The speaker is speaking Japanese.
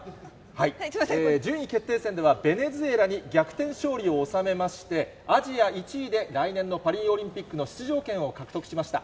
順位決定戦では、ベネズエラに逆転勝利を収めまして、アジア１位で来年のパリオリンピックの出場権を獲得しました。